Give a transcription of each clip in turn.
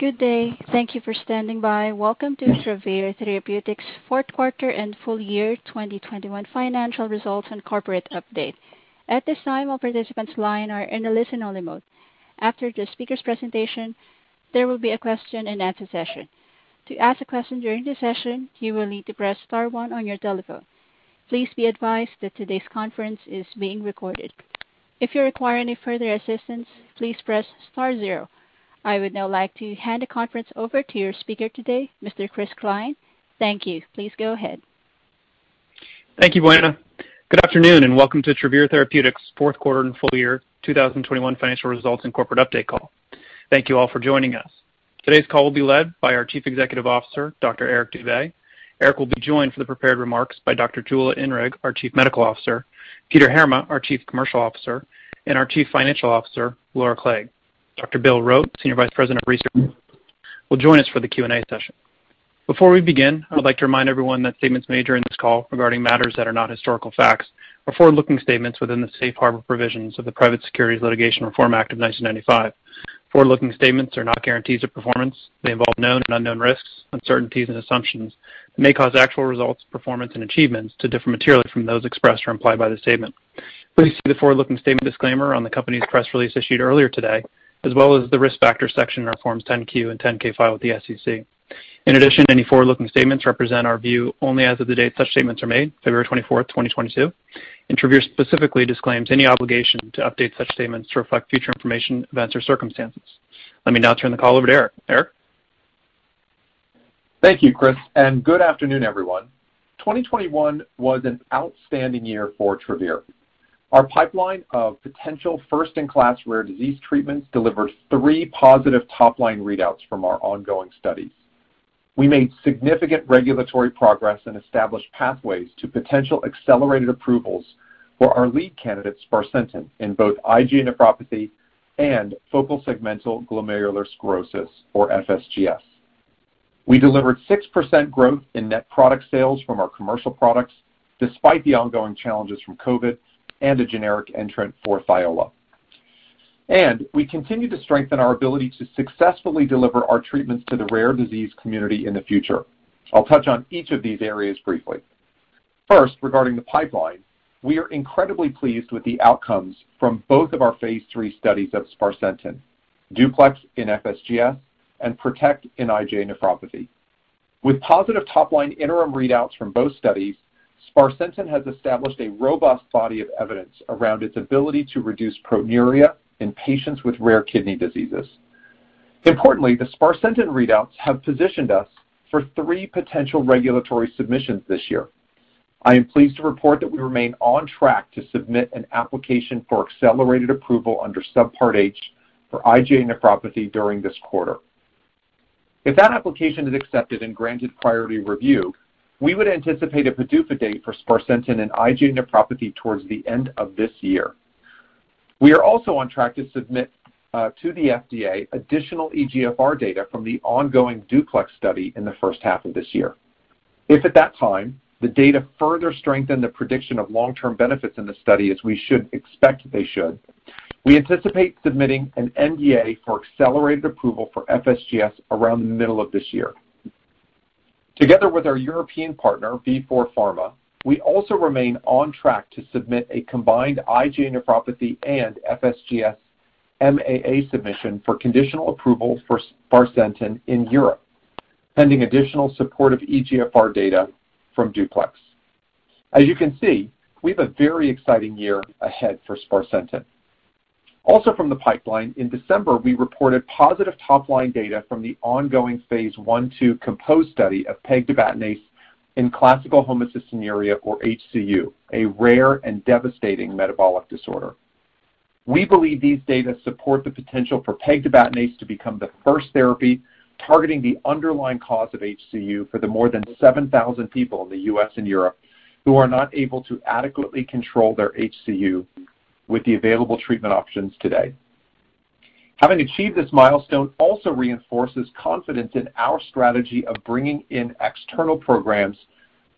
Good day. Thank you for standing by. Welcome to Travere Therapeutics fourth quarter and full-year 2021 financial results and corporate update. At this time, all participants' lines are in a listen-only mode. After the speaker's presentation, there will be a question-and-answer session. To ask a question during the session, you will need to press star one on your telephone. Please be advised that today's conference is being recorded. If you require any further assistance, please press star zero. I would now like to hand the conference over to your speaker today, Mr. Chris Cline. Thank you. Please go ahead. Thank you, Buena. Good afternoon, and welcome to Travere Therapeutics fourth quarter and full-year 2021 financial results and corporate update call. Thank you all for joining us. Today's call will be led by our Chief Executive Officer, Dr. Eric Dube. Eric will be joined for the prepared remarks by Dr. Jula Inrig, our Chief Medical Officer, Peter Heerma, our Chief Commercial Officer, and our Chief Financial Officer, Laura Clague. Dr. Bill Rote, Senior Vice President of Research, will join us for the Q&A session. Before we begin, I would like to remind everyone that statements made during this call regarding matters that are not historical facts are forward-looking statements within the Safe Harbor provisions of the Private Securities Litigation Reform Act of 1995. Forward-looking statements are not guarantees of performance. They involve known and unknown risks, uncertainties, and assumptions that may cause actual results, performance, and achievements to differ materially from those expressed or implied by the statement. Please see the forward-looking statement disclaimer on the company's press release issued earlier today, as well as the Risk Factors section in our Forms 10-Q and 10-K filed with the SEC. In addition, any forward-looking statements represent our view only as of the date such statements are made, February 24, 2022, and Travere specifically disclaims any obligation to update such statements to reflect future information, events, or circumstances. Let me now turn the call over to Eric. Eric. Thank you, Chris, and good afternoon, everyone. 2021 was an outstanding year for Travere. Our pipeline of potential first-in-class rare disease treatments delivered three positive top-line readouts from our ongoing studies. We made significant regulatory progress and established pathways to potential accelerated approvals for our lead candidate sparsentan in both IgA nephropathy and focal segmental glomerulosclerosis or FSGS. We delivered 6% growth in net product sales from our commercial products despite the ongoing challenges from COVID and a generic entrant for THIOLA. We continue to strengthen our ability to successfully deliver our treatments to the rare disease community in the future. I'll touch on each of these areas briefly. First, regarding the pipeline, we are incredibly pleased with the outcomes from both of our phase III studies of sparsentan, DUPLEX in FSGS and PROTECT in IgA nephropathy. With positive top-line interim readouts from both studies, sparsentan has established a robust body of evidence around its ability to reduce proteinuria in patients with rare kidney diseases. Importantly, the sparsentan readouts have positioned us for three potential regulatory submissions this year. I am pleased to report that we remain on track to submit an application for accelerated approval under Subpart H for IgA nephropathy during this quarter. If that application is accepted and granted priority review, we would anticipate a PDUFA date for sparsentan and IgA nephropathy towards the end of this year. We are also on track to submit to the FDA additional eGFR data from the ongoing DUPLEX study in the first half of this year. If at that time, the data further strengthen the prediction of long-term benefits in the study, as we should expect they should, we anticipate submitting an NDA for accelerated approval for FSGS around the middle of this year. Together with our European partner, Vifor Pharma, we also remain on track to submit a combined IgA nephropathy and FSGS MAA submission for conditional approval for sparsentan in Europe, pending additional support of eGFR data from DUPLEX. As you can see, we have a very exciting year ahead for sparsentan. Also from the pipeline, in December, we reported positive top-line data from the ongoing phase I/II COMPOSE study of pegtibatinase in classical homocystinuria or HCU, a rare and devastating metabolic disorder. We believe these data support the potential for pegtibatinase to become the first therapy targeting the underlying cause of HCU for the more than 7,000 people in the U.S. and Europe who are not able to adequately control their HCU with the available treatment options today. Having achieved this milestone also reinforces confidence in our strategy of bringing in external programs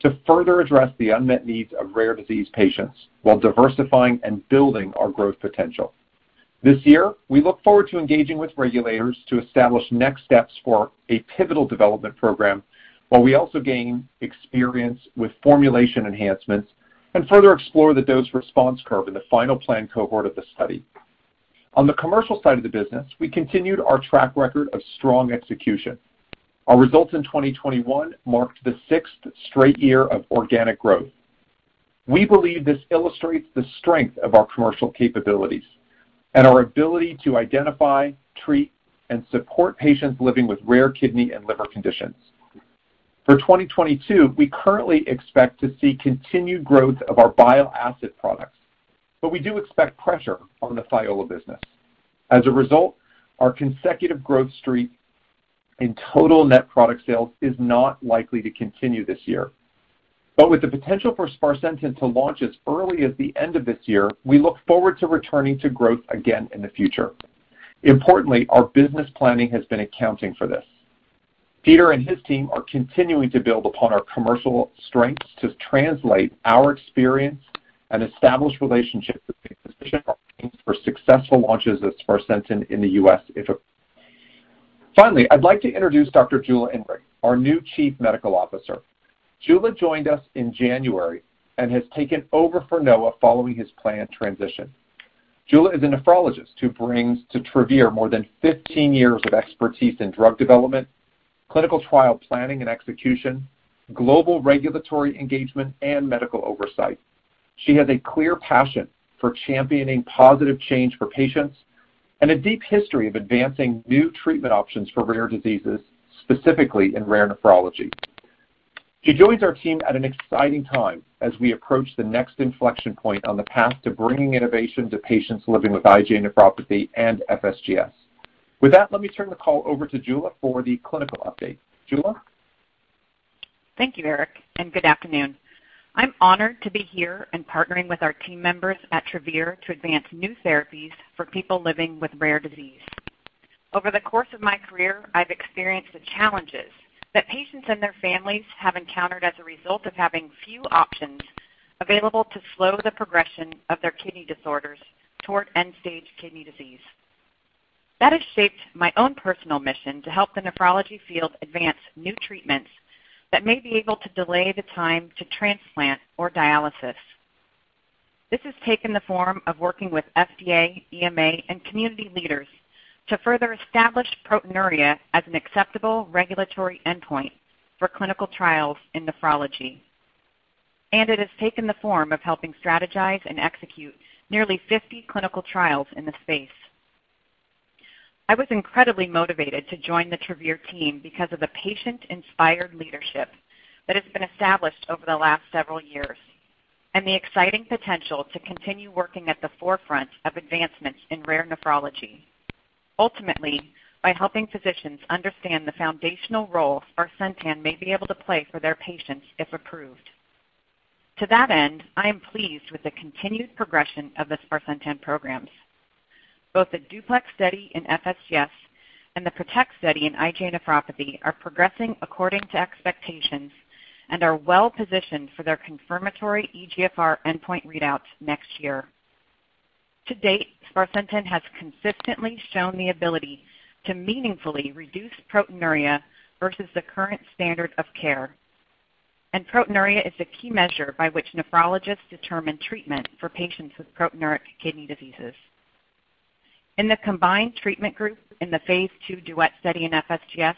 to further address the un-met needs of rare disease patients while diversifying and building our growth potential. This year, we look forward to engaging with regulators to establish next steps for a pivotal development program while we also gain experience with formulation enhancements and further explore the dose response curve in the final plan cohort of the study. On the commercial side of the business, we continued our track record of strong execution. Our results in 2021 marked the sixth straight year of organic growth. We believe this illustrates the strength of our commercial capabilities and our ability to identify, treat, and support patients living with rare kidney and liver conditions. For 2022, we currently expect to see continued growth of our bile-acid products, but we do expect pressure on the THIOLA business. As a result, our consecutive growth streak in total net product sales is not likely to continue this year. With the potential for sparsentan to launch as early as the end of this year, we look forward to returning to growth again in the future. Importantly, our business planning has been accounting for this. Peter and his team are continuing to build upon our commercial strengths to translate our experience and establish relationships with for successful launches of sparsentan in the U.S. if approved. Finally, I'd like to introduce Dr. Jula Inrig, our new Chief Medical Officer. Jula joined us in January and has taken over for Noah following his planned transition. Jula is a nephrologist who brings to Travere more than 15 years of expertise in drug development, clinical trial planning and execution, global regulatory engagement, and medical oversight. She has a clear passion for championing positive change for patients and a deep history of advancing new treatment options for rare diseases, specifically in rare nephrology. She joins our team at an exciting time as we approach the next inflection point on the path to bringing innovation to patients living with IgA nephropathy and FSGS. With that, let me turn the call over to Jula for the clinical update. Jula? Thank you, Eric, and good afternoon. I'm honored to be here and partnering with our team members at Travere to advance new therapies for people living with rare disease. Over the course of my career, I've experienced the challenges that patients and their families have encountered as a result of having few options available to slow the progression of their kidney disorders toward end-stage kidney disease. That has shaped my own personal mission to help the nephrology field advance new treatments that may be able to delay the time to transplant or dialysis. This has taken the form of working with FDA, EMA, and community leaders to further establish proteinuria as an acceptable regulatory endpoint for clinical trials in nephrology. It has taken the form of helping strategize and execute nearly 50 clinical trials in the space. I was incredibly motivated to join the Travere team because of the patient-inspired leadership that has been established over the last several years and the exciting potential to continue working at the forefront of advancements in rare nephrology, ultimately by helping physicians understand the foundational role sparsentan may be able to play for their patients if approved. To that end, I am pleased with the continued progression of the sparsentan programs. Both the DUPLEX study in FSGS and the PROTECT study in IgA nephropathy are progressing according to expectations and are well-positioned for their confirmatory eGFR end-point read-outs next year. To date, sparsentan has consistently shown the ability to meaningfully reduce proteinuria versus the current standard of care, and proteinuria is a key measure by which nephrologists determine treatment for patients with proteinuria kidney diseases. In the combined treatment group in the phase II DUET study in FSGS,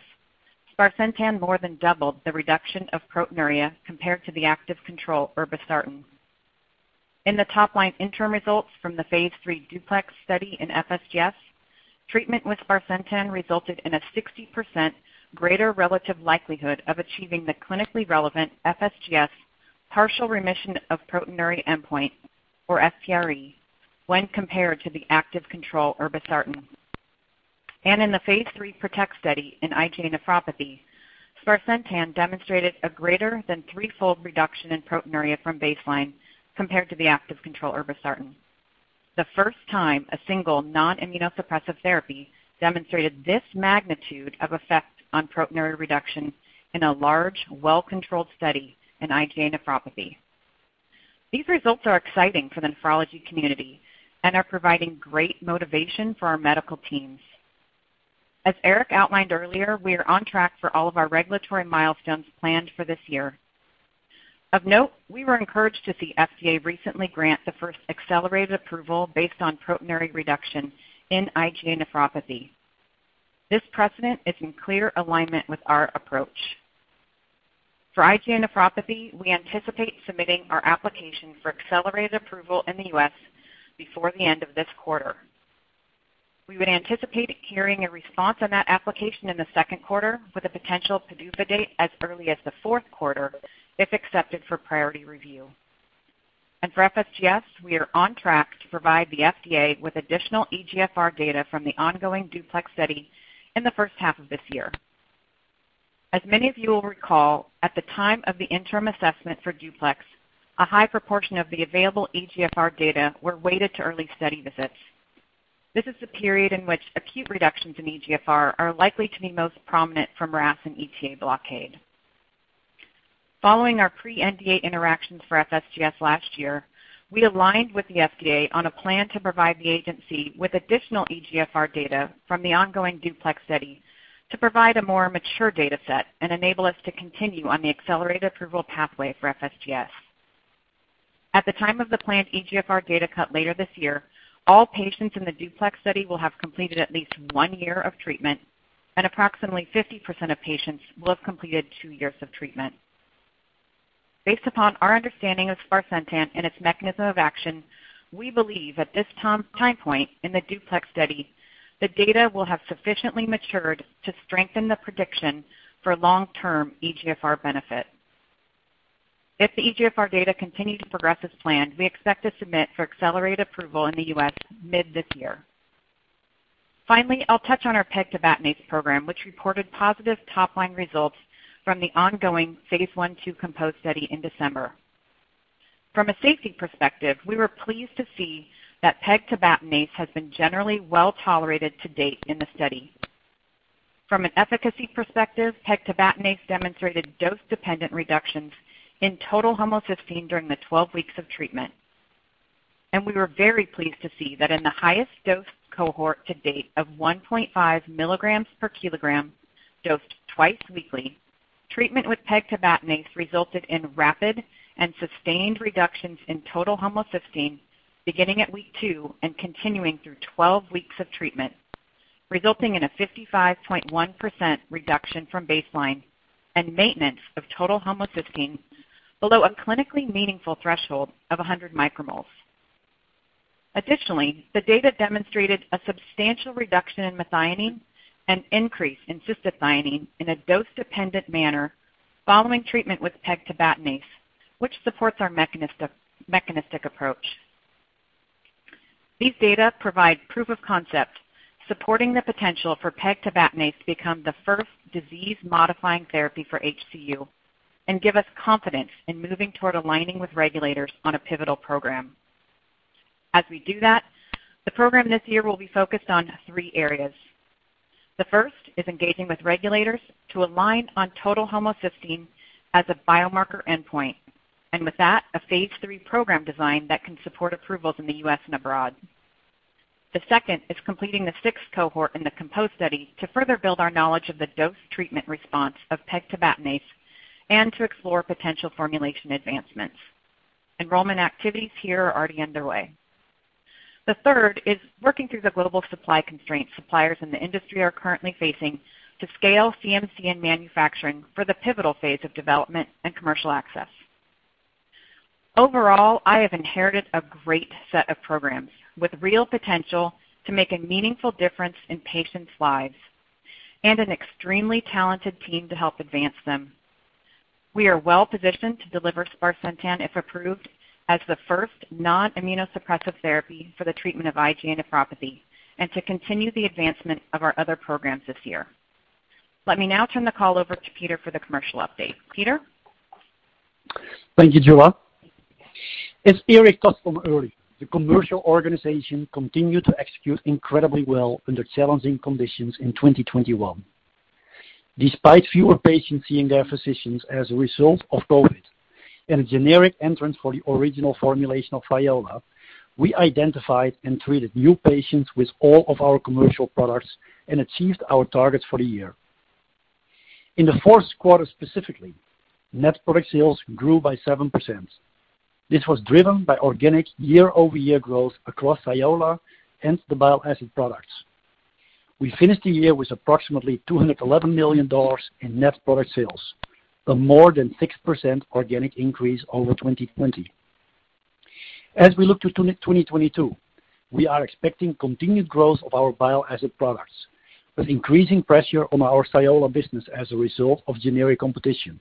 sparsentan more than doubled the reduction of proteinuria compared to the active control irbesartan. In the top line interim results from the phase III DUPLEX study in FSGS, treatment with sparsentan resulted in a 60% greater relative likelihood of achieving the clinically relevant FSGS partial remission of proteinuria endpoint, or FPRE, when compared to the active control irbesartan. In the phase III PROTECT study in IgA nephropathy, sparsentan demonstrated a greater than three-fold reduction in proteinuria from baseline compared to the active control irbesartan. The first time a single non-immunosuppressive therapy demonstrated this magnitude of effect on proteinuria reduction in a large, well-controlled study in IgA nephropathy. These results are exciting for the nephrology community and are providing great motivation for our medical teams. As Eric outlined earlier, we are on track for all of our regulatory milestones planned for this year. Of note, we were encouraged to see FDA recently grant the first accelerated approval based on proteinuria reduction in IgA nephropathy. This precedent is in clear alignment with our approach. For IgA nephropathy, we anticipate submitting our application for accelerated approval in the U.S. before the end of this quarter. We would anticipate hearing a response on that application in the second quarter with a potential PDUFA date as early as the fourth quarter if accepted for priority review. For FSGS, we are on track to provide the FDA with additional eGFR data from the ongoing DUPLEX study in the first half of this year. As many of you will recall, at the time of the interim assessment for DUPLEX, a high proportion of the available eGFR data were weighted to early study visits. This is the period in which acute reductions in eGFR are likely to be most prominent from RAS and ETA blockade. Following our pre-NDA interactions for FSGS last year, we aligned with the FDA on a plan to provide the agency with additional eGFR data from the ongoing DUPLEX study to provide a more mature data set and enable us to continue on the accelerated approval pathway for FSGS. At the time of the planned eGFR data cut later this year, all patients in the DUPLEX study will have completed at least one year of treatment, and approximately 50% of patients will have completed two years of treatment. Based upon our understanding of sparsentan and its mechanism of action, we believe at this time point in the DUPLEX study, the data will have sufficiently matured to strengthen the prediction for long-term eGFR benefit. If the eGFR data continue to progress as planned, we expect to submit for accelerated approval in the U.S. mid this year. Finally, I'll touch on our pegtibatinase program, which reported positive top-line results from the ongoing phase I/II COMPOSE study in December. From a safety perspective, we were pleased to see that pegtibatinase has been generally well-tolerated to date in the study. From an efficacy perspective, pegtibatinase demonstrated dose-dependent reductions in total homocysteine during the 12 weeks of treatment. We were very pleased to see that in the highest dose cohort to date of 1.5 milligrams per kilogram dosed twice weekly, treatment with pegtibatinase resulted in rapid and sustained reductions in total homocysteine beginning at week two and continuing through 12 weeks of treatment, resulting in a 55.1% reduction from baseline and maintenance of total homocysteine below a clinically meaningful threshold of 100 micromoles. Additionally, the data demonstrated a substantial reduction in methionine and increase in cystathionine in a dose-dependent manner following treatment with pegtibatinase, which supports our mechanistic approach. These data provide proof of concept supporting the potential for pegtibatinase to become the first disease-modifying therapy for HCU and give us confidence in moving toward aligning with regulators on a pivotal program. We do that, the program this year will be focused on three areas. The first is engaging with regulators to align on total homocysteine as a biomarker endpoint, and with that, a phase III program design that can support approvals in the U.S. and abroad. The second is completing the sixth cohort in the COMPOSE study to further build our knowledge of the dose treatment response of pegtibatinase and to explore potential formulation advancements. Enrollment activities here are already underway. The third is working through the global supply constraints suppliers in the industry are currently facing to scale CMC and manufacturing for the pivotal phase of development and commercial access. Overall, I have inherited a great set of programs with real potential to make a meaningful difference in patients' lives and an extremely talented team to help advance them. We are well-positioned to deliver sparsentan, if approved, as the first non-immunosuppressive therapy for the treatment of IgA nephropathy and to continue the advancement of our other programs this year. Let me now turn the call over to Peter for the commercial update. Peter? Thank you, Jula. As Eric noted earlier, the commercial organization continued to execute incredibly well under challenging conditions in 2021. Despite fewer patients seeing their physicians as a result of COVID and a generic entry for the original formulation of THIOLA, we identified and treated new patients with all of our commercial products and achieved our targets for the year. In the fourth quarter specifically, net product sales grew by 7%. This was driven by organic year-over-year growth across THIOLA and the bile-acid products. We finished the year with approximately $211 million in net product sales, a more than 6% organic increase over 2020. As we look to 2022, we are expecting continued growth of our bile acid products, with increasing pressure on our THIOLA business as a result of generic competition.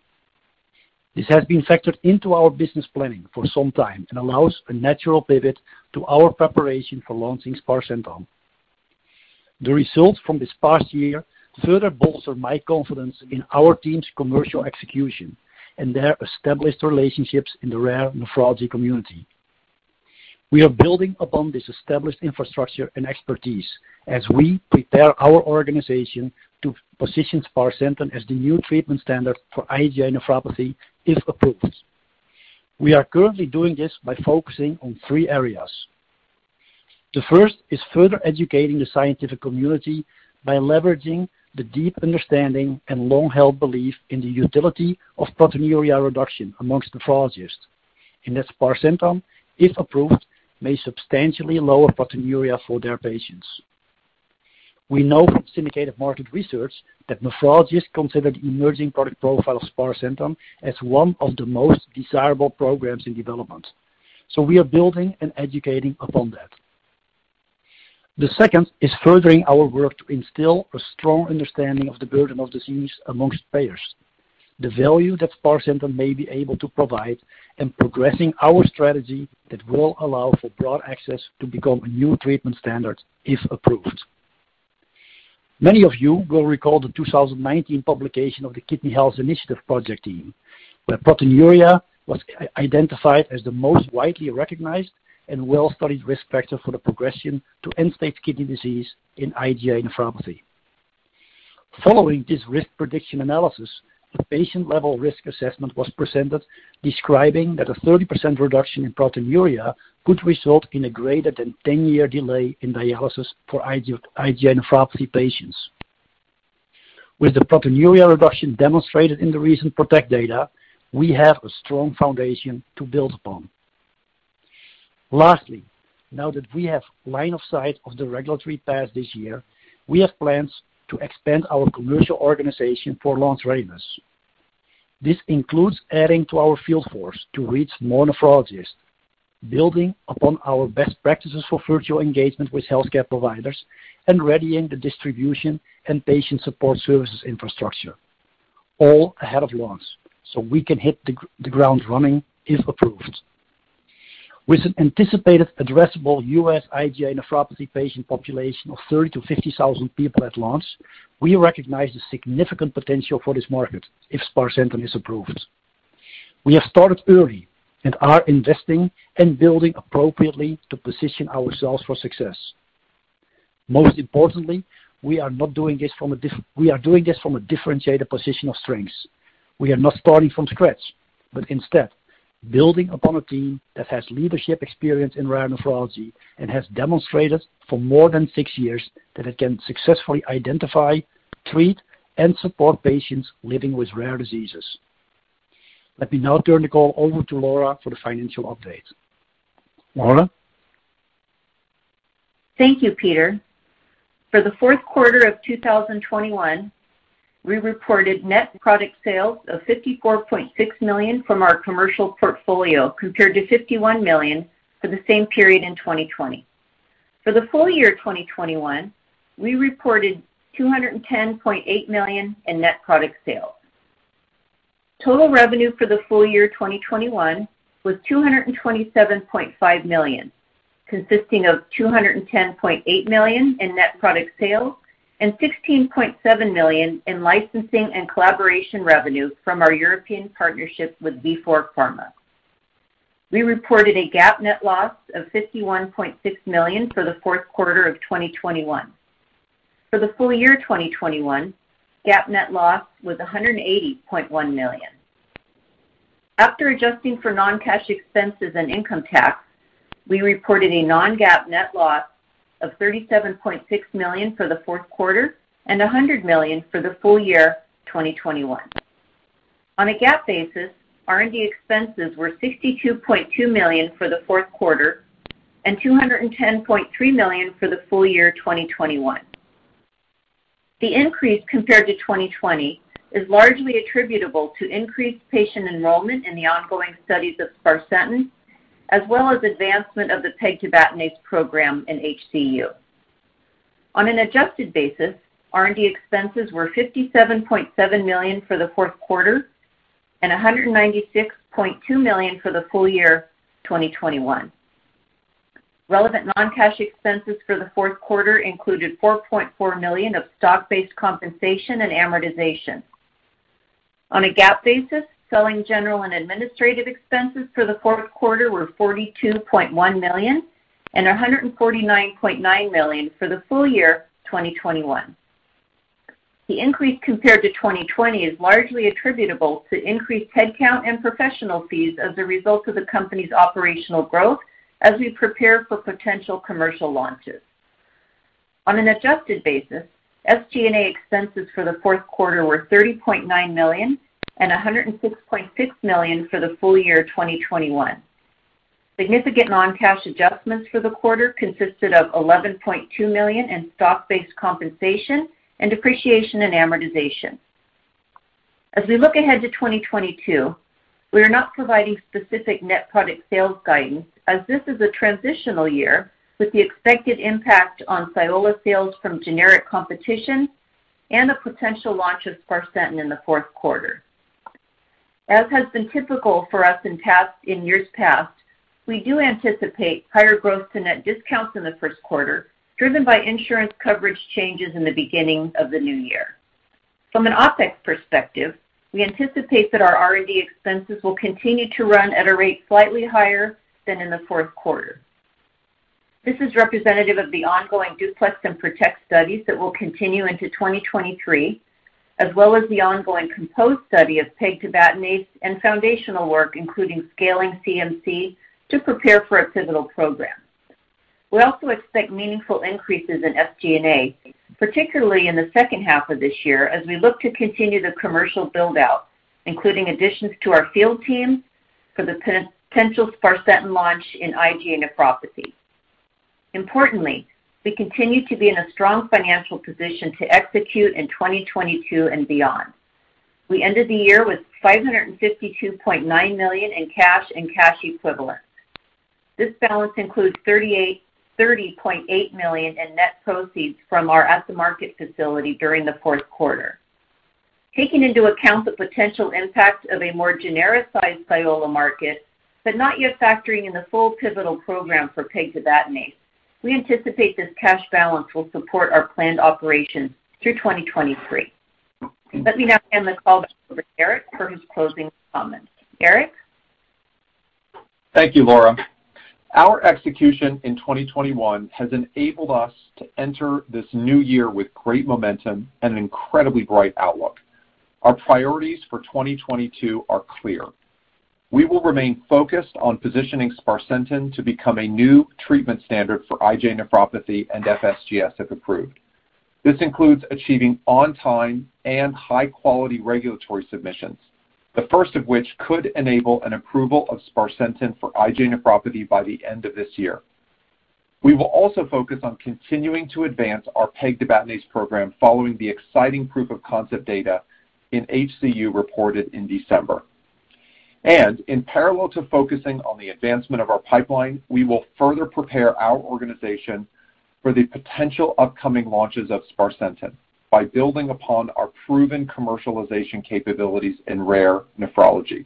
This has been factored into our business planning for some time and allows a natural pivot to our preparation for launching sparsentan. The results from this past year further bolster my confidence in our team's commercial execution and their established relationships in the rare nephrology community. We are building upon this established infrastructure and expertise as we prepare our organization to position sparsentan as the new treatment standard for IgA nephropathy, if approved. We are currently doing this by focusing on three areas. The first is further educating the scientific community by leveraging the deep understanding and long-held belief in the utility of proteinuria reduction among nephrologists, and that sparsentan, if approved, may substantially lower proteinuria for their patients. We know from syndicated market research that nephrologists consider the emerging product profile of sparsentan as one of the most desirable programs in development, so we are building and educating upon that. The second is furthering our work to instill a strong understanding of the burden of disease amongst payers, the value that sparsentan may be able to provide, and progressing our strategy that will allow for broad access to become a new treatment standard if approved. Many of you will recall the 2019 publication of the Kidney Health Initiative project team, where proteinuria was identified as the most widely recognized and well-studied risk factor for the progression to end-stage kidney disease in IgA nephropathy. Following this risk prediction analysis, a patient-level risk assessment was presented describing that a 30% reduction in proteinuria could result in a greater than 10-year delay in dialysis for IgA nephropathy patients. With the proteinuria reduction demonstrated in the recent PROTECT data, we have a strong foundation to build upon. Lastly, now that we have line of sight of the regulatory path this year, we have plans to expand our commercial organization for launch readiness. This includes adding to our field force to reach more nephrologists, building upon our best practices for virtual engagement with healthcare providers, and readying the distribution and patient support services infrastructure all ahead of launch so we can hit the ground running if approved. With an anticipated addressable U.S. IgA nephropathy patient population of 30-50 thousand people at launch, we recognize the significant potential for this market if sparsentan is approved. We have started early and are investing and building appropriately to position ourselves for success. Most importantly, we are doing this from a differentiated position of strength. We are not starting from scratch, but instead building upon a team that has leadership experience in rare nephrology and has demonstrated for more than six years that it can successfully identify, treat, and support patients living with rare diseases. Let me now turn the call over to Laura for the financial update. Laura. Thank you, Peter. For the fourth quarter of 2021, we reported net product sales of $54.6 million from our commercial portfolio, compared to $51 million for the same period in 2020. For the full-year 2021, we reported $210.8 million in net product sales. Total revenue for the full-year 2021 was $227.5 million, consisting of $210.8 million in net product sales and $16.7 million in licensing and collaboration revenue from our European partnership with Vifor Pharma. We reported a GAAP net loss of $51.6 million for the fourth quarter of 2021. For the full-year 2021, GAAP net loss was $180.1 million. After adjusting for non-cash expenses and income tax, we reported a non-GAAP net loss of $37.6 million for the fourth quarter and $100 million for the full-year 2021. On a GAAP basis, R&D expenses were $62.2 million for the fourth quarter and $210.3 million for the full-year 2021. The increase compared to 2020 is largely attributable to increased patient enrollment in the ongoing studies of sparsentan, as well as advancement of the pegtibatinase program in HCU. On an adjusted basis, R&D expenses were $57.7 million for the fourth quarter and $196.2 million for the full-year 2021. Relevant non-cash expenses for the fourth quarter included $4.4 million of stock-based compensation and amortization. On a GAAP basis, selling, general, and administrative expenses for the fourth quarter were $42.1 million and $149.9 million for the full-year 2021. The increase compared to 2020 is largely attributable to increased headcount and professional fees as a result of the company's operational growth as we prepare for potential commercial launches. On an adjusted basis, SG&A expenses for the fourth quarter were $30.9 million and $106.6 million for the full-year 2021. Significant non-cash adjustments for the quarter consisted of $11.2 million in stock-based compensation and depreciation and amortization. As we look ahead to 2022, we are not providing specific net product sales guidance as this is a transitional year with the expected impact on THIOLA sales from generic competition and a potential launch of sparsentan in the fourth quarter. As has been typical for us in years past, we do anticipate higher growth to net discounts in the first quarter, driven by insurance coverage changes in the beginning of the new year. From an OPEX perspective, we anticipate that our R&D expenses will continue to run at a rate slightly higher than in the fourth quarter. This is representative of the ongoing DUPLEX and PROTECT studies that will continue into 2023, as well as the ongoing COMPOSE study of pegtibatinase and foundational work, including scaling CMC to prepare for a pivotal program. We also expect meaningful increases in SG&A, particularly in the second half of this year as we look to continue the commercial build-out, including additions to our field team for the potential sparsentan launch in IgA nephropathy. Importantly, we continue to be in a strong financial position to execute in 2022 and beyond. We ended the year with $552.9 million in cash and cash equivalents. This balance includes $30.8 million in net proceeds from our at-the-market facility during the fourth quarter. Taking into account the potential impact of a more genericized THIOLA market, but not yet factoring in the full pivotal program for pegtibatinase, we anticipate this cash balance will support our planned operations through 2023. Let me now hand the call back over to Eric for his closing comments. Eric? Thank you, Laura. Our execution in 2021 has enabled us to enter this new year with great momentum and an incredibly bright outlook. Our priorities for 2022 are clear. We will remain focused on positioning sparsentan to become a new treatment standard for IgA nephropathy and FSGS, if approved. This includes achieving on-time and high-quality regulatory submissions, the first of which could enable an approval of sparsentan for IgA nephropathy by the end of this year. We will also focus on continuing to advance our pegtibatinase program following the exciting proof of concept data in HCU reported in December. In parallel to focusing on the advancement of our pipeline, we will further prepare our organization for the potential upcoming launches of sparsentan by building upon our proven commercialization capabilities in rare nephrology.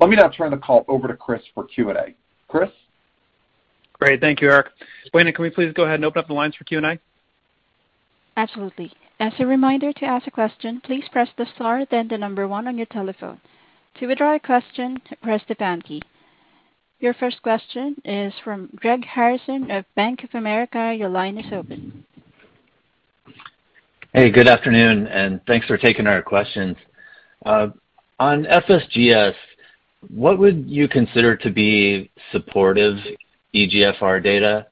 Let me now turn the call over to Chris for Q&A. Chris? Great. Thank you, Eric. Wayne, can we please go ahead and open up the lines for Q&A? Absolutely. As a reminder to ask a question, please press the star then 1 on your telephone. To withdraw a question, press the pound key. Your first question is from Greg Harrison of Bank of America. Your line is open. Hey, good afternoon, and thanks for taking our questions. On FSGS, what would you consider to be supportive eGFR data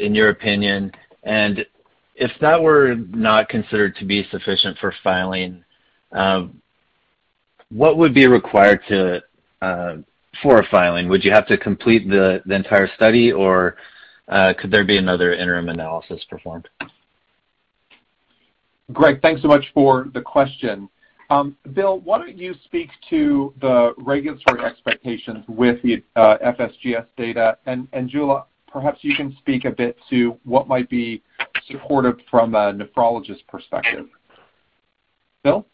in your opinion? If that were not considered to be sufficient for filing, what would be required for a filing? Would you have to complete the entire study, or could there be another interim analysis performed? Greg, thanks so much for the question. Bill, why don't you speak to the regulatory expectations with the FSGS data? Jula, perhaps you can speak a bit to what might be supportive from a nephrologist perspective. Bill?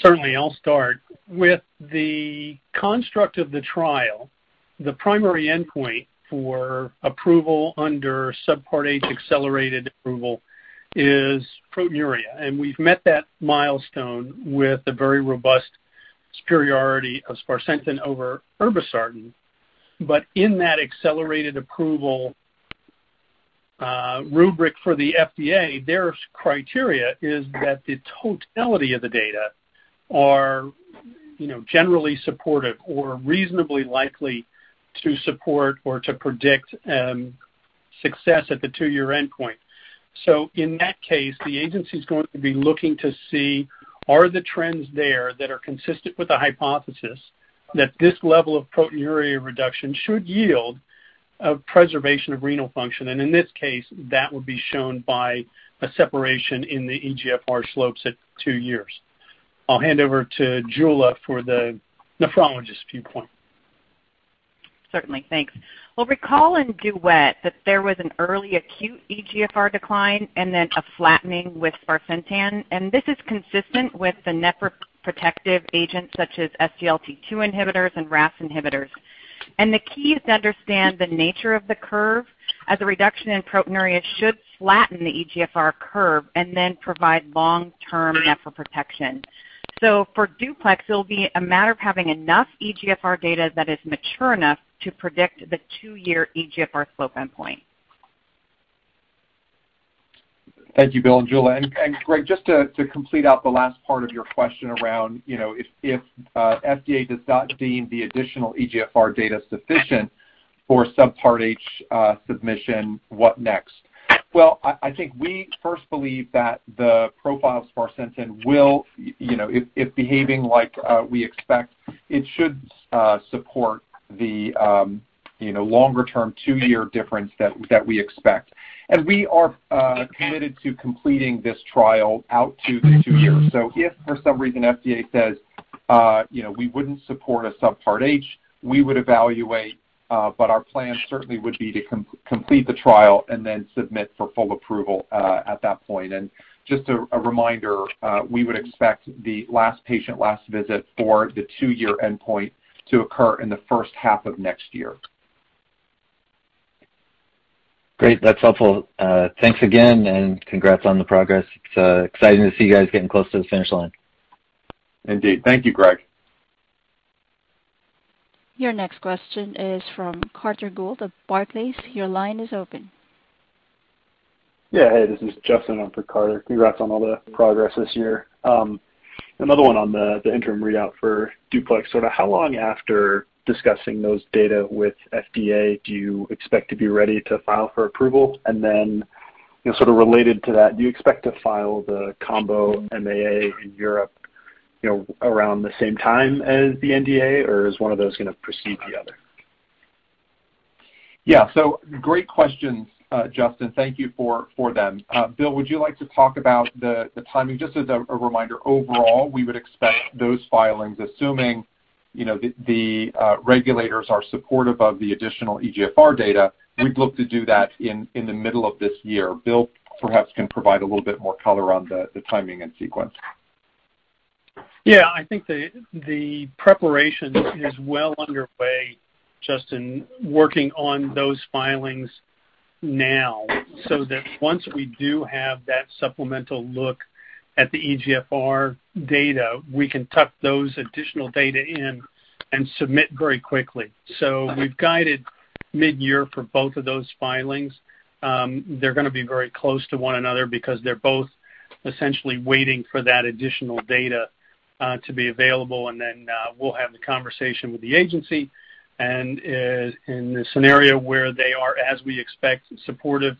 Certainly. I'll start. With the construct of the trial, the primary endpoint for approval under Subpart H Accelerated Approval is proteinuria. We've met that milestone with a very robust superiority of sparsentan over irbesartan. In that accelerated approval rubric for the FDA, their criteria is that the totality of the data are, you know, generally supportive or reasonably likely to support or to predict success at the two-year end-point. In that case, the agency's going to be looking to see are the trends there that are consistent with the hypothesis that this level of proteinuria reduction should yield a preservation of renal function. In this case, that would be shown by a separation in the eGFR slopes at two years. I'll hand over to Jula for the nephrologist viewpoint. Certainly. Thanks. We'll recall in DUET that there was an early acute eGFR decline and then a flattening with sparsentan, and this is consistent with the nephroprotective agents such as SGLT2 inhibitors and RAS inhibitors. The key is to understand the nature of the curve as a reduction in proteinuria should flatten the eGFR curve and then provide long-term nephroprotection. For DUPLEX, it'll be a matter of having enough eGFR data that is mature enough to predict the two-year eGFR slope endpoint. Thank you, Bill and Jula. Greg, just to complete out the last part of your question around, you know, if FDA does not deem the additional eGFR data sufficient for Subpart H submission, what next? I think we first believe that the profile of sparsentan will, you know, if behaving like we expect, it should support the longer-term two-year difference that we expect. We are committed to completing this trial out to the two years. If for some reason FDA says, you know, we wouldn't support a Subpart H, we would evaluate, but our plan certainly would be to complete the trial and then submit for full approval at that point. Just a reminder, we would expect the last patient last visit for the two-year end-point to occur in the first half of next year. Great. That's helpful. Thanks again, and congrats on the progress. It's exciting to see you guys getting close to the finish line. Indeed. Thank you, Greg. Your next question is from Carter Gould of Barclays. Your line is open. Hey, this is Justin in for Carter. Congrats on all the progress this year. Another one on the interim readout for DUPLEX. Sorta how long after discussing those data with FDA do you expect to be ready to file for approval? Then, you know, sorta related to that, do you expect to file the combo MAA in Europe, you know, around the same time as the NDA, or is one of those gonna precede the other? Yeah. Great questions, Justin. Thank you for them. Bill, would you like to talk about the timing? Just as a reminder, overall, we would expect those filings, assuming you know the regulators are supportive of the additional eGFR data, we'd look to do that in the middle of this year. Bill, perhaps can provide a little bit more color on the timing and sequence. Yeah. I think the preparation is well underway, Justin, working on those filings now, so that once we do have that supplemental look at the eGFR data, we can tuck those additional data in and submit very quickly. We've guided midyear for both of those filings. They're gonna be very close to one another because they're both essentially waiting for that additional data to be available, and then we'll have the conversation with the agency. In the scenario where they are, as we expect, supportive,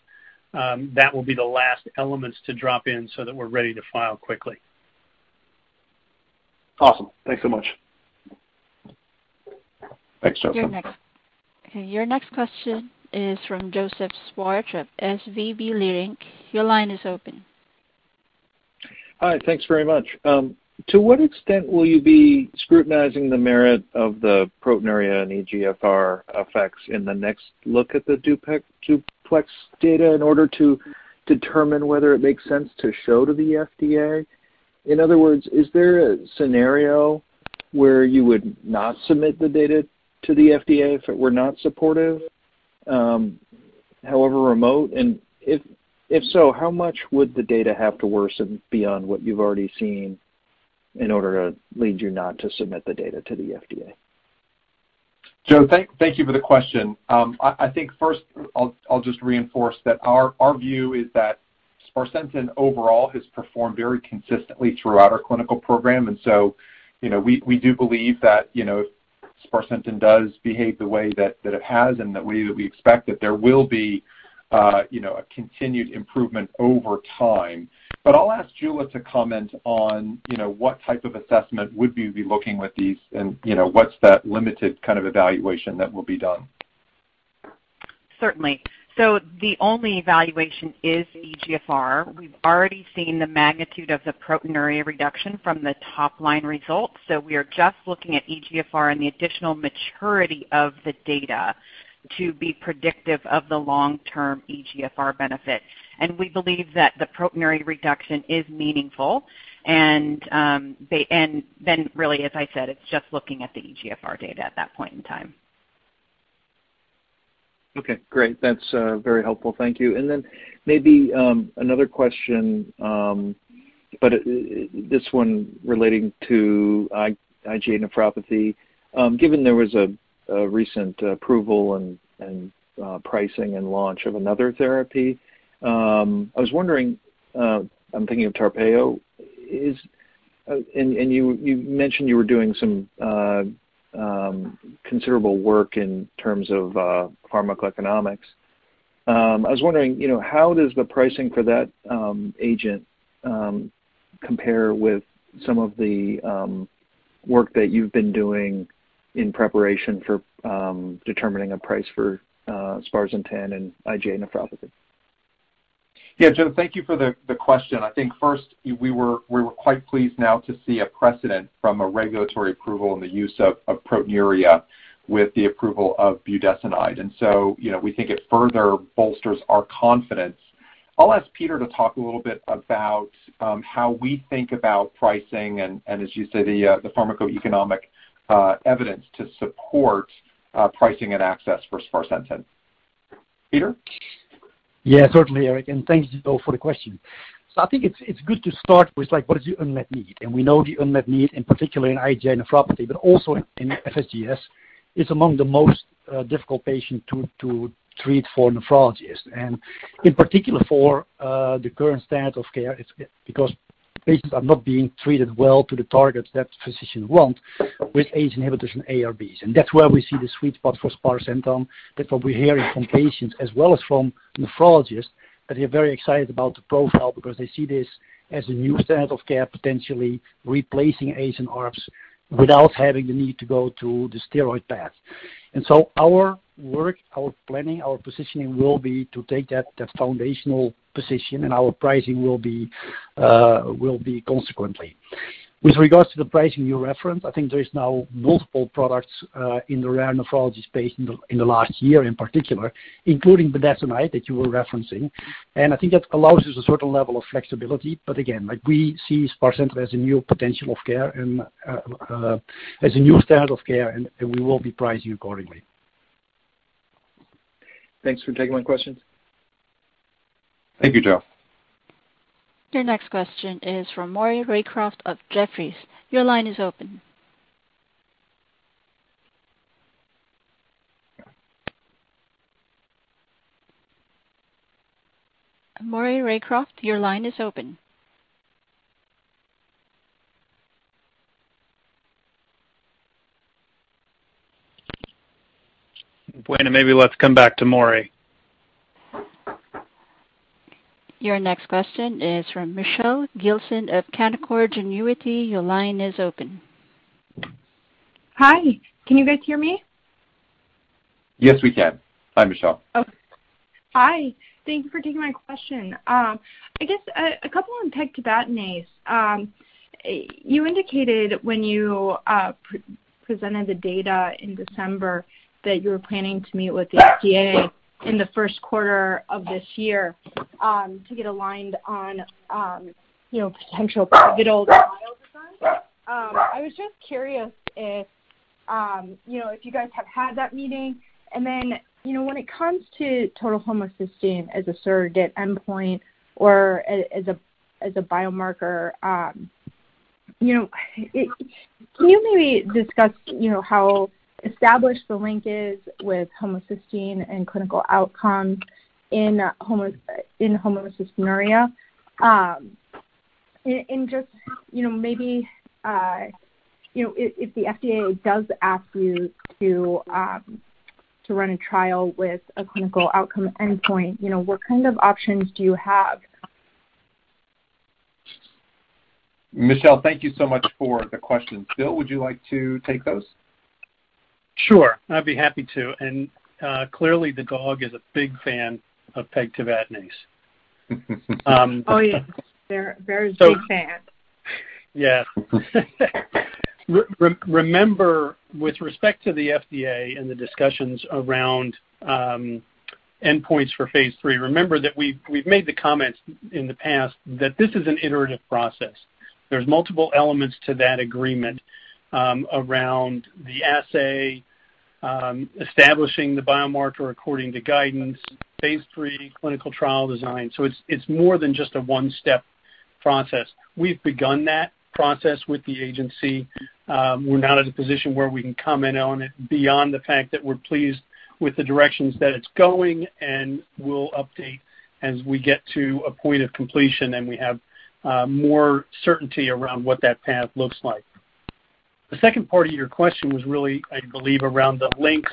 that will be the last elements to drop in so that we're ready to file quickly. Awesome. Thanks so much. Thanks, Justin. You're next. Okay. Your next question is from Joseph Schwartz of SVB Leerink. Your line is open. Hi. Thanks very much. To what extent will you be scrutinizing the merit of the proteinuria and eGFR effects in the next look at the DUPLEX data in order to determine whether it makes sense to show to the FDA? In other words, is there a scenario where you would not submit the data to the FDA if it were not supportive, however remote? If so, how much would the data have to worsen beyond what you've already seen in order to lead you not to submit the data to the FDA? Joe, thank you for the question. I think first I'll just reinforce that our view is that sparsentan overall has performed very consistently throughout our clinical program. You know, we do believe that, you know, sparsentan does behave the way that it has and the way that we expect, that there will be, you know, a continued improvement over time. I'll ask Jula to comment on, you know, what type of assessment would we be looking with these and, you know, what's that limited kind of evaluation that will be done. Certainly. The only evaluation is eGFR. We've already seen the magnitude of the proteinuria reduction from the top-line results, so we are just looking at eGFR and the additional maturity of the data to be predictive of the long-term eGFR benefit. We believe that the proteinuria reduction is meaningful. Then really, as I said, it's just looking at the eGFR data at that point in time. Okay, great. That's very helpful. Thank you. Maybe another question, but this one relating to IgA nephropathy. Given there was a recent approval and pricing and launch of another therapy, I was wondering. I'm thinking of TARPEYO, and you mentioned you were doing some considerable work in terms of pharmacoeconomics. I was wondering, you know, how does the pricing for that agent compare with some of the work that you've been doing in preparation for determining a price for sparsentan and IgA nephropathy? Yeah. Joe, thank you for the question. I think first we were quite pleased now to see a precedent from a regulatory approval in the use of proteinuria with the approval of budesonide. You know, we think it further bolsters our confidence. I'll ask Peter to talk a little bit about how we think about pricing and as you say, the pharmacoeconomic evidence to support pricing and access for sparsentan. Peter? Yeah, certainly, Eric, and thank you though for the question. I think it's good to start with like what is the un-met need. We know the unmet need, in particular in IgA nephropathy, but also in FSGS, it's among the most difficult patient to treat for nephrologists. In particular for the current standard of care, it's because patients are not being treated well to the targets that physicians want with ACE inhibitors and ARBs. That's where we see the sweet spot for sparsentan. That's what we're hearing from patients as well as from nephrologists, that they're very excited about the profile because they see this as a new standard of care, potentially replacing ACE and ARBs without having the need to go through the steroid path. Our work, our planning, our positioning will be to take that foundational position, and our pricing will be consequently. With regards to the pricing you referenced, I think there is now multiple products in the rare nephrology space in the last year in particular, including budesonide that you were referencing. I think that allows us a certain level of flexibility. Again, like, we see sparsentan as a new potential of care and as a new standard of care, and we will be pricing accordingly. Thanks for taking my questions. Thank you, Joe. Your next question is from Maury Raycroft of Jefferies. Your line is open. Maury Raycroft, your line is open. Wait, maybe let's come back to Maury. Your next question is from Michelle Gilson of Canaccord Genuity. Your line is open. Hi. Can you guys hear me? Yes, we can. Hi, Michelle. Oh, hi. Thank you for taking my question. I guess a couple on pegtibatinase. You indicated when you pre-presented the data in December that you were planning to meet with the FDA in the first quarter of this year to get aligned on you know potential pivotal trial design. I was just curious if you know if you guys have had that meeting. Then you know when it comes to total homocysteine as a surrogate endpoint or as a biomarker you know it. Can you maybe discuss you know how established the link is with homocysteine and clinical outcomes in homocystinuria? Just, you know, maybe, you know, if the FDA does ask you to run a trial with a clinical outcome end-point, you know, what kind of options do you have? Michelle, thank you so much for the question. Bill, would you like to take those? Sure, I'd be happy to. Clearly, the dog is a big fan of pegtibatinase. Oh, yeah. They're a very big fan. Remember, with respect to the FDA and the discussions around end-points for phase III, remember that we've made the comments in the past that this is an iterative process. There's multiple elements to that agreement around the assay establishing the biomarker according to guidance, phase III clinical trial design. It's more than just a one-step process. We've begun that process with the agency. We're not at a position where we can comment on it beyond the fact that we're pleased with the directions that it's going, and we'll update as we get to a point of completion, and we have more certainty around what that path looks like. The second part of your question was really, I believe, around the links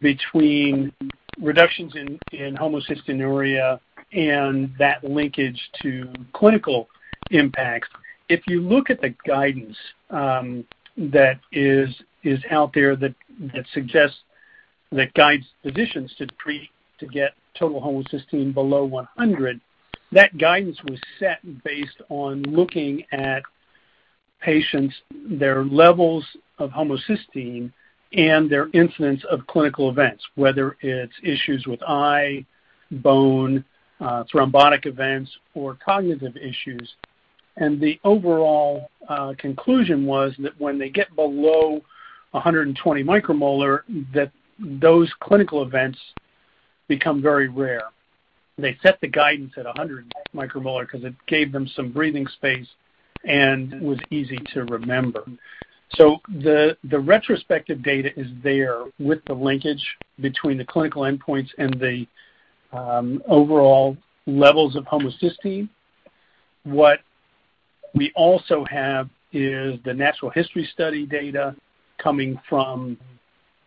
between reductions in homocystinuria and that linkage to clinical impacts. If you look at the guidance that is out there that suggests that guides physicians to treat to get total homocysteine below 100, that guidance was set based on looking at patients, their levels of homocysteine and their incidence of clinical events, whether it's issues with eye, bone, thrombotic events or cognitive issues. The overall conclusion was that when they get below 120 micromolar, those clinical events become very rare. They set the guidance at 100 micromolar 'cause it gave them some breathing space and was easy to remember. The retrospective data is there with the linkage between the clinical end-points and the overall levels of homocysteine. What we also have is the natural history study data coming from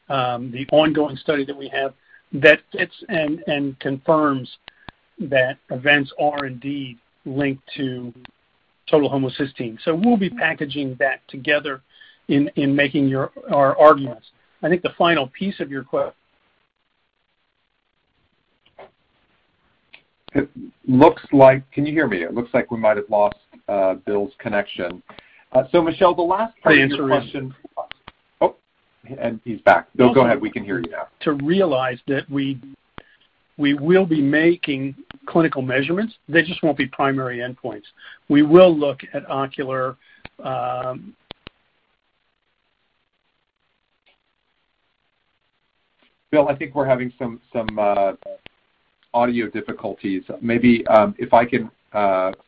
the ongoing study that we have that fits and confirms that events are indeed linked to total homocysteine. We'll be packaging that together in making your our arguments. I think the final piece of your question. It looks like. Can you hear me? It looks like we might have lost Bill's connection. Michelle, the last part of your question. To answer, Oh, and he's back. Bill, go ahead. We can hear you now. To realize that we will be making clinical measurements. They just won't be primary end-points. We will look at ocular. Bill, I think we're having some audio difficulties. Maybe if I can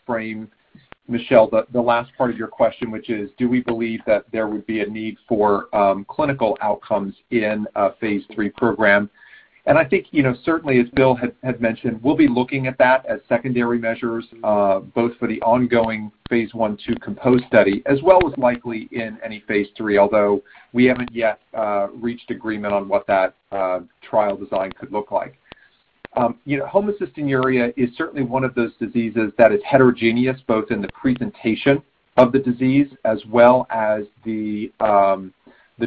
frame, Michelle, the last part of your question, which is, do we believe that there would be a need for clinical outcomes in a phase III program? I think, you know, certainly as Bill had mentioned, we'll be looking at that as secondary measures, both for the ongoing phase I/II COMPOSE study, as well as likely in any phase III, although we haven't yet reached agreement on what that trial design could look like. You know, homocystinuria is certainly one of those diseases that is heterogeneous, both in the presentation of the disease as well as the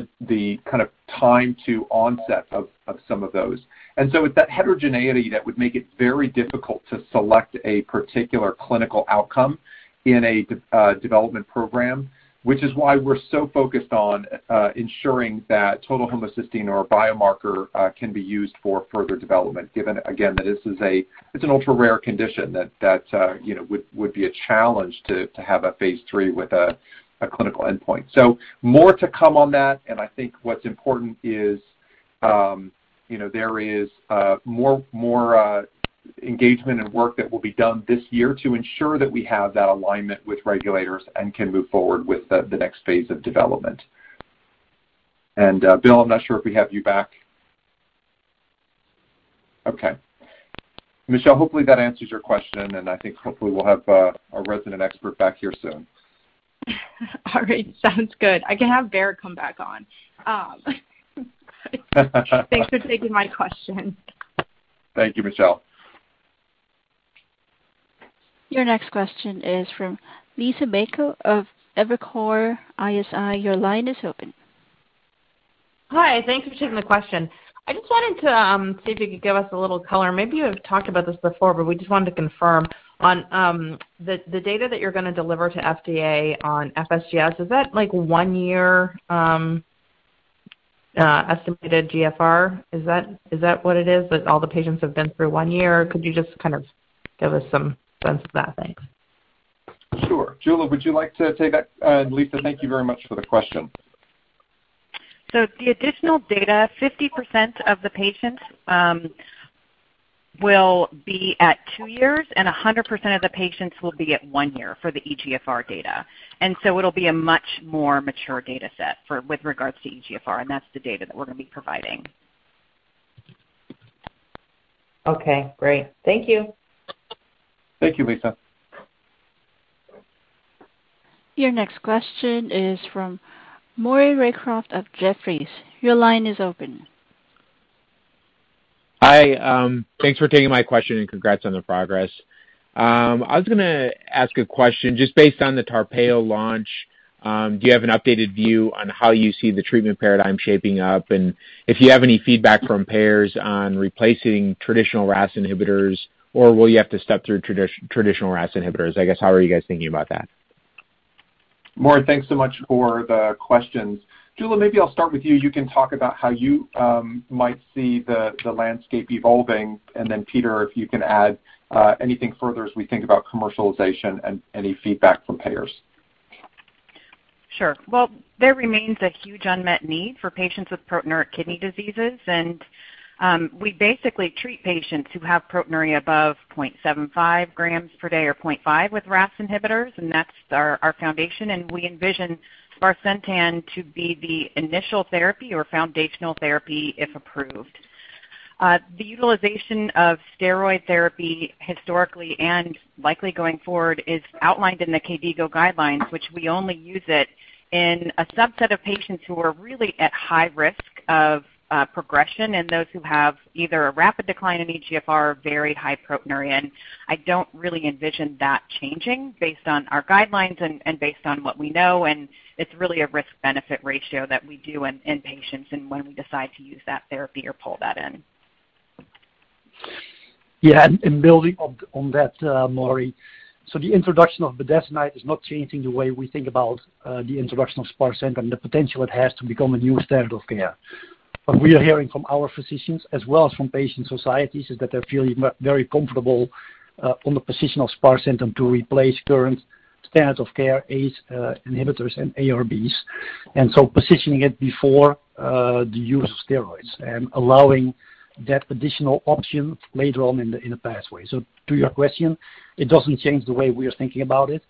kind of time to onset of some of those. It's that heterogeneity that would make it very difficult to select a particular clinical outcome in a development program, which is why we're so focused on ensuring that total homocysteine or a biomarker can be used for further development, given again that this is an ultra-rare condition that you know would be a challenge to have a phase III with a clinical end-point. More to come on that, and I think what's important is you know there is more engagement and work that will be done this year to ensure that we have that alignment with regulators and can move forward with the next phase of development. Bill, I'm not sure if we have you back. Okay. Michelle, hopefully that answers your question, and I think hopefully we'll have our resident expert back here soon. All right. Sounds good. I can have Bear come back on. Thanks for taking my question. Thank you, Michelle. Your next question is from Liisa Bayko of Evercore ISI. Your line is open. Hi. Thanks for taking the question. I just wanted to see if you could give us a little color. Maybe you have talked about this before, but we just wanted to confirm on the data that you're gonna deliver to FDA on FSGS, is that, like, one year estimated GFR? Is that what it is, that all the patients have been through one year? Could you just kind of give us some sense of that? Thanks. Sure. Jula, would you like to take that? Liisa, thank you very much for the question. The additional data, 50% of the patients, will be at two years, and 100% of the patients will be at one year for the eGFR data. It'll be a much more mature data set for, with regards to eGFR, and that's the data that we're gonna be providing. Okay, great. Thank you. Thank you, Liisa. Your next question is from Maury Raycroft of Jefferies. Your line is open. Hi, thanks for taking my question and congrats on the progress. I was gonna ask a question just based on the TARPEYO launch. Do you have an updated view on how you see the treatment paradigm shaping up? And if you have any feed-back from payers on replacing traditional RAS inhibitors, or will you have to step through traditional RAS inhibitors? I guess, how are you guys thinking about that? Maury, thanks so much for the questions. Jula, maybe I'll start with you. You can talk about how you might see the landscape evolving, and then Peter, if you can add anything further as we think about commercialization and any feedback from payers. Sure. Well, there remains a huge unmet need for patients with proteinuria kidney diseases and, we basically treat patients who have proteinuria above 0.75 grams per day or 0.5 with RAS inhibitors, and that's our foundation. We envision sparsentan to be the initial therapy or foundational therapy if approved. The utilization of steroid therapy historically and likely going forward is outlined in the KDIGO guidelines which we only use it in a subset of patients who are really at high risk of, progression and those who have either a rapid decline in eGFR or very high proteinuria. I don't really envision that changing based on our guidelines and, based on what we know, and it's really a risk-benefit ratio that we do in, patients and when we decide to use that therapy or pull that in. Building on that, Maury. The introduction of budesonide is not changing the way we think about the introduction of sparsentan and the potential it has to become a new standard of care. What we are hearing from our physicians as well as from patient societies is that they're feeling very comfortable on the position of sparsentan to replace current standards of care, ACE inhibitors and ARBs, and so positioning it before the use of steroids and allowing that additional option later on in the pathway. To your question, it doesn't change the way we are thinking about it.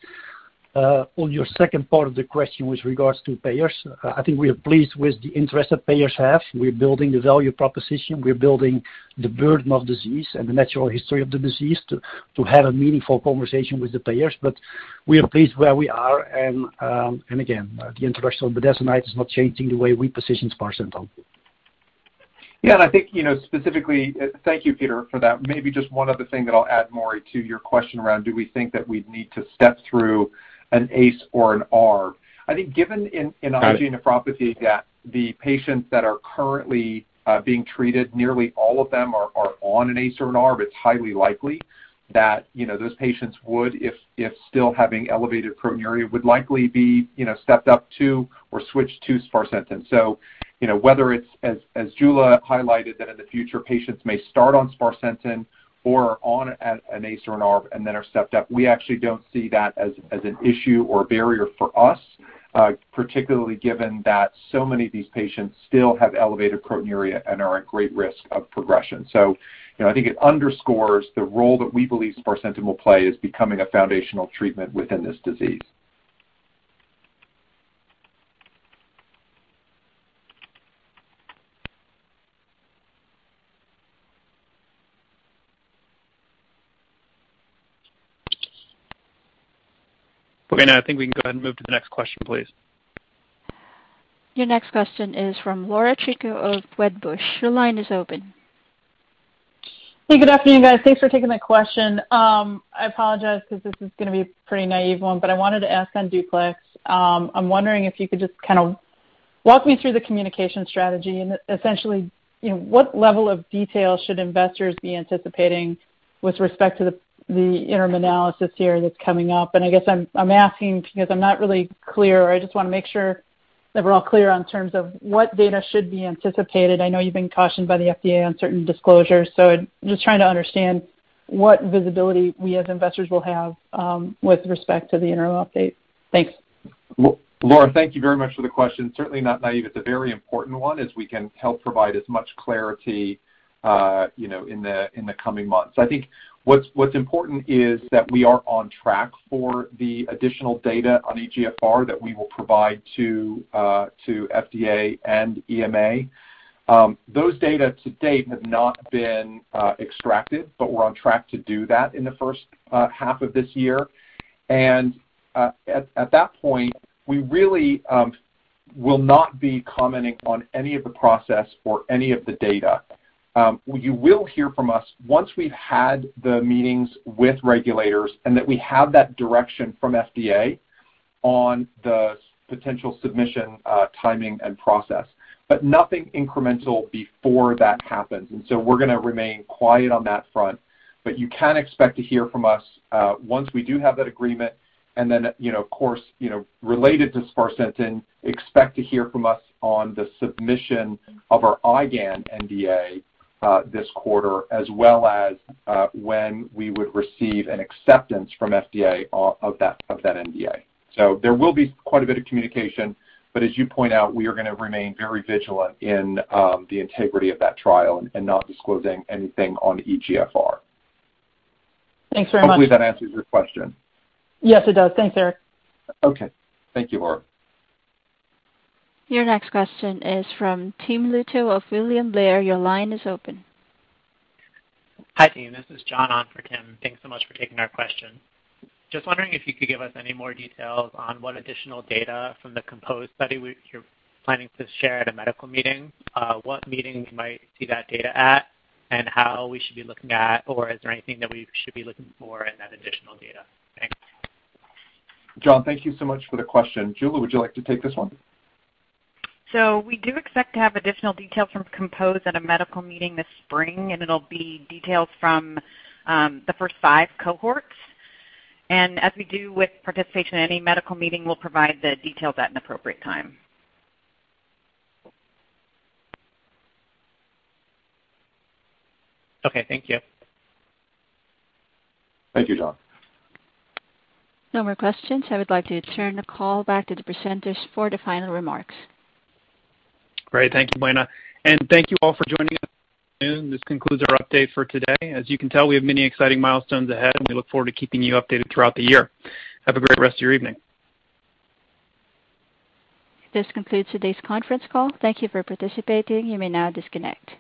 On your second part of the question with regards to payers, I think we are pleased with the interest that payers have. We're building the value proposition. We're building the burden of disease and the natural history of the disease to have a meaningful conversation with the payers. We are pleased where we are and again, the introduction of budesonide is not changing the way we position sparsentan. I think, you know, specifically. Thank you, Peter, for that. Maybe just one other thing that I'll add, Maury, to your question around do we think that we'd need to step through an ACE or an ARB. I think given in Got it IgA nephropathy that the patients that are currently being treated, nearly all of them are on an ACE or an ARB, it's highly likely that, you know, those patients would if still having elevated proteinuria would likely be, you know, stepped up to or switched to sparsentan. You know, whether it's as Jula highlighted that in the future patients may start on sparsentan or are on an ACE or an ARB and then are stepped up, we actually don't see that as an issue or barrier for us, particularly given that so many of these patients still have elevated proteinuria and are at great risk of progression. You know, I think it underscores the role that we believe sparsentan will play is becoming a foundational treatment within this disease. Okay. Now I think we can go ahead and move to the next question, please. Your next question is from Laura Chico of Wedbush. Your line is open. Hey, good afternoon, guys. Thanks for taking my question. I apologize 'cause this is gonna be a pretty naive one, but I wanted to ask on DUPLEX. I'm wondering if you could just kind of walk me through the communication strategy and essentially, you know, what level of detail should investors be anticipating with respect to the interim analysis here that's coming up? I guess I'm asking because I'm not really clear or I just wanna make sure that we're all clear in terms of what data should be anticipated. I know you've been cautioned by the FDA on certain disclosures, so just trying to understand what visibility we as investors will have with respect to the interim update. Thanks. Laura, thank you very much for the question. Certainly not naive. It's a very important one as we can help provide as much clarity, you know, in the coming months. I think what's important is that we are on track for the additional data on eGFR that we will provide to FDA and EMA. Those data to date have not been extracted, but we're on track to do that in the first half of this year. At that point, we really will not be commenting on any of the process or any of the data. You will hear from us once we've had the meetings with regulators and that we have that direction from FDA on the potential submission timing and process. Nothing incremental before that happens. We're gonna remain quiet on that front. You can expect to hear from us once we do have that agreement and then, you know, of course, you know, related to sparsentan, expect to hear from us on the submission of our igAN NDA this quarter as well as when we would receive an acceptance from FDA of that NDA. There will be quite a bit of communication, but as you point out, we are gonna remain very vigilant in the integrity of that trial and not disclosing anything on eGFR. Thanks very much. Hopefully that answers your question. Yes, it does. Thanks, Eric. Okay. Thank you, Laura. Your next question is from Tim Lugo of William Blair. Your line is open. Hi, team, this is John on for Tim. Thanks so much for taking our question. Just wondering if you could give us any more details on what additional data from the COMPOSE study you're planning to share at a medical meeting, what meeting we might see that data at and how we should be looking at or is there anything that we should be looking for in that additional data? Thanks. John, thank you so much for the question. Jula, would you like to take this one? We do expect to have additional details from COMPOSE at a medical meeting this spring and it'll be details from the first five cohorts. As we do with participation in any medical meeting, we'll provide the details at an appropriate time. Okay. Thank you. Thank you, John. No more questions. I would like to turn the call back to the presenters for the final remarks. Great. Thank you, Buena. Thank you all for joining us this afternoon. This concludes our update for today. As you can tell, we have many exciting milestones ahead, and we look forward to keeping you updated throughout the year. Have a great rest of your evening. This concludes today's conference call. Thank you for participating. You may now disconnect.